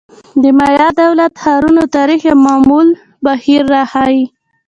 د مایا دولت-ښارونو تاریخ یو معمول بهیر راښيي.